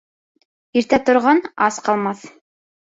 Иртә торған ас ҡалмаҫ.